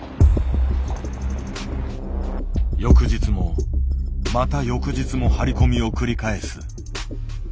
翌日もまた翌日も張り込みを繰り返す。